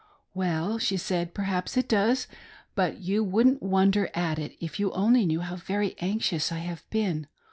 " Well," she said, "perhaps it does, but you wouldn't wonder at it, if you only knew how very anxious I have been.